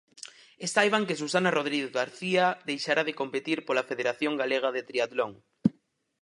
E saiban que Susana Rodríguez García deixará de competir pola Federación Galega de Tríatlon.